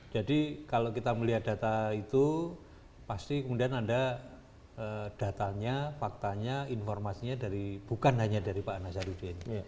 jadi kalau kita melihat data itu pasti kemudian anda datanya faktanya informasinya bukan hanya dari pak nazarudin